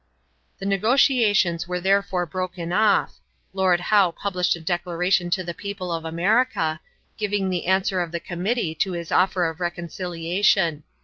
The negotiations were therefore broken off. Lord Howe published a declaration to the people of America, giving the answer of the committee to his offer of reconciliation.